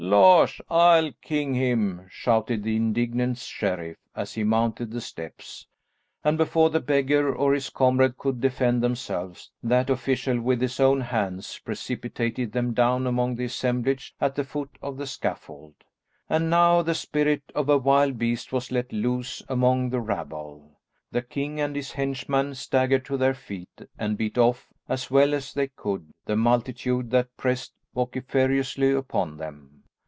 [Illustration: "'I AM JAMES, KING OF SCOTLAND,' HE PROCLAIMED, IN STENTORIAN TONES."] "Losh, I'll king him," shouted the indignant sheriff, as he mounted the steps, and before the beggar or his comrade could defend themselves, that official with his own hands precipitated them down among the assemblage at the foot of the scaffold. And now the spirit of a wild beast was let loose among the rabble. The king and his henchman staggered to their feet and beat off, as well as they could, the multitude that pressed vociferously upon them.